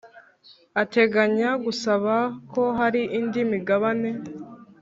Ateganya gusaba ko hari indi migabane